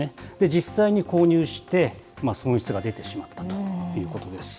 実際に購入して、損失が出てしまったということです。